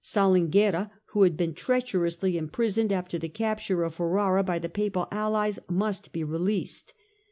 Salinguerra, who had been treacherously imprisoned after the capture of Ferrara by the Papal allies, must be released.